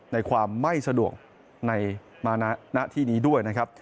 ในความไม่สะดวกในมาณที่นี้ด้วยนะครับ